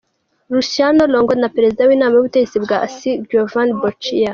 Luciano Longo na Perezida w’Inama y’ubutegetsi bwa Asti, Giovani Boccia.